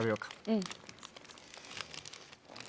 うん！